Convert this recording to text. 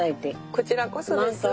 こちらこそです。